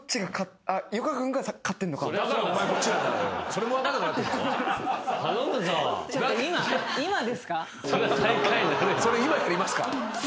それ今やりますか？